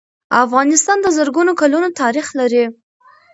افغانستان د زرګونو کلونو تاریخ لري.